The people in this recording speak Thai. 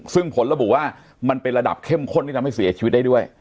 ซึ่งผลระบุว่ามันเป็นระดับเข้มข้นที่ทำให้เสียชีวิตได้ด้วย